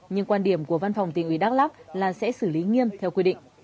nhưng quan điểm của văn phòng tỉnh ủy đắk lắc là sẽ xử lý nghiêm theo quy định